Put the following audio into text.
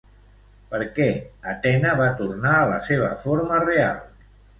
Per què Atena va tornar a la seva forma real?